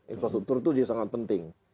infrastruktur itu sangat penting